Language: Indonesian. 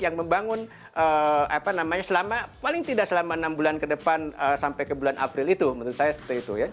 yang membangun apa namanya selama paling tidak selama enam bulan ke depan sampai ke bulan april itu menurut saya seperti itu ya